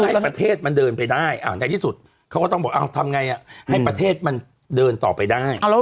ให้ประเทศมันเดินไปได้ในที่สุดเขาก็ต้องบอกทำไงให้ประเทศมันเดินต่อไปได้